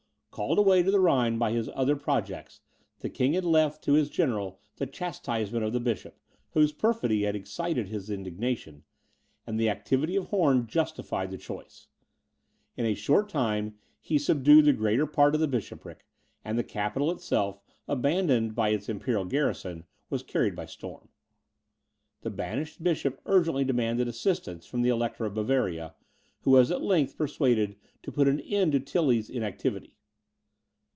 Called away to the Rhine by his other projects, the king had left to his general the chastisement of the bishop, whose perfidy had excited his indignation, and the activity of Horn justified the choice. In a short time, he subdued the greater part of the bishopric; and the capital itself, abandoned by its imperial garrison, was carried by storm. The banished bishop urgently demanded assistance from the Elector of Bavaria, who was at length persuaded to put an end to Tilly's inactivity.